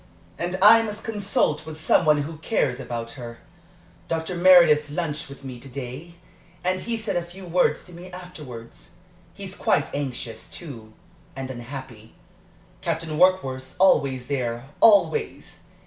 "And I must consult with some one who cares about her. Dr. Meredith lunched with me to day, and he said a few words to me afterwards. He's quite anxious, too and unhappy. Captain Warkworth's always there always!